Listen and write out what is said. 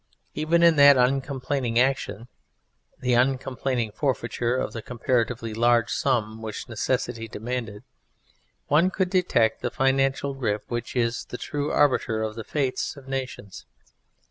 Even in that uncomplaining action, the uncomplaining forfeiture of the comparatively large sum which necessity demanded, one could detect the financial grip which is the true arbiter of the fates of nations.